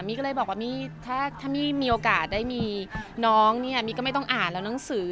มีก็เลยบอกว่าถ้ามีโอกาสได้มีน้องนี่ก็ไม่ต้องอ่านแล้วหนังสือ